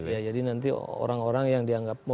ya jadi nanti orang orang yang dianggap